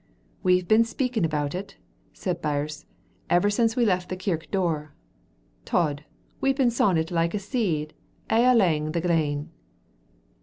"We've been speaking about it," said Birse, "ever since we left the kirk door. Tod, we've been sawing it like seed a' alang the glen."